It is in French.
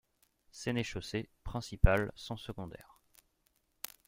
Sénéchaussée principale sans secondaire.